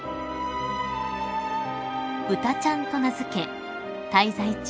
［「ぶたちゃん」と名付け滞在中